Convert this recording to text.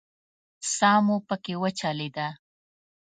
ساه مو پکې وچلېده.